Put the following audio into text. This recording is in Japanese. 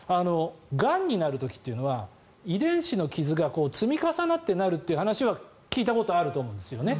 がんになる時っていうのは遺伝子の傷が積み重なってなるという話は聞いたことあると思うんですよね。